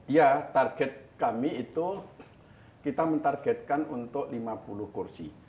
ya target kami itu kita mentargetkan untuk lima puluh kursi